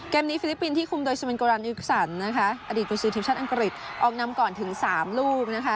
นี้ฟิลิปปินส์ที่คุมโดยสุเมนโกรันอิกสันนะคะอดีตกุศือทีมชาติอังกฤษออกนำก่อนถึง๓ลูกนะคะ